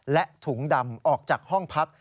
และถุงดำออกจากห้องพัก